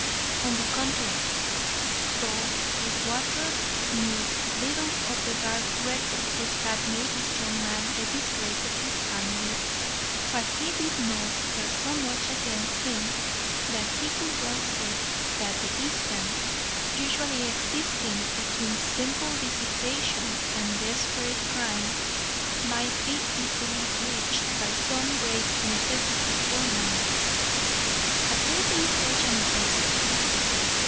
On the contrary. Though Sweetwater knew little of the dark record which had made this young man the disgrace of his family, what he did know was so much against him that he could well see that the distance usually existing between simple dissipation and desperate crime might be easily bridged by some great necessity for money. Had there been such a necessity?